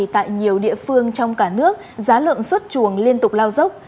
tại nhiều địa phương trong cả nước giá lượng xuất chuồng liên tục lao dốc